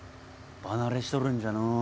場慣れしとるんじゃのう。